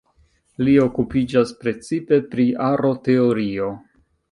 Li okupiĝas precipe pri aroteorio.